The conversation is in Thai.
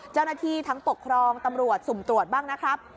เจ้าหน้าที่ทั้งปกครองตำรวจสุ่มตรวจบ้างนะครับ